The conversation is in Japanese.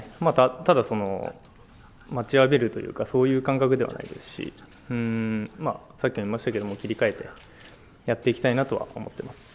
ただ、待ちわびるとかそういう感覚ではないですし、さっきも言いましたけど、切り替えてやっていきたいなと思っています。